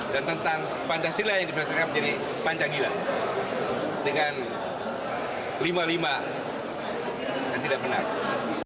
dan tentang pancasila yang diperlukan menjadi panjanggila dengan lima lima yang tidak benar